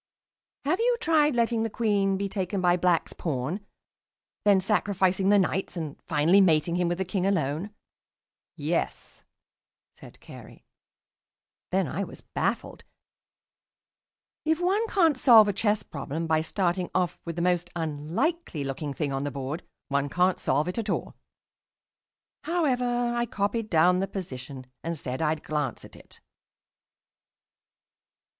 "Have you tried letting the Queen be taken by Black's pawn, then sacrificing the Knights, and finally mating him with the King alone?" "Yes," said Carey. Then I was baffled. If one can't solve a chess problem by starting off with the most unlikely looking thing on the board, one can't solve it at all. However, I copied down the position and said I'd glance at it....